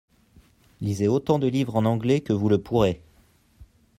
Lisez autant de livres en anglais que vous le pourrez.